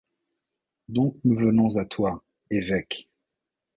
Donc nous venons à toi, évêque.